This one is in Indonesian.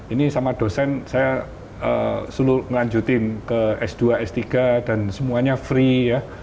ini sama dosen saya suruh ngelanjutin ke s dua s tiga dan semuanya free ya